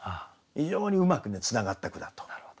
非常にうまくねつながった句だと思いましたね。